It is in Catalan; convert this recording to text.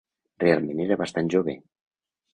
Realment era bastant jove.